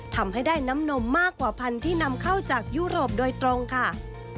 ทำให้ได้น้ำนมมากกว่าพันธุ์ที่นำเข้าจากยุโรปโดยตรงค่ะ